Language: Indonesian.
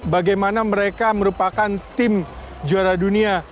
bagaimana mereka merupakan tim juara dunia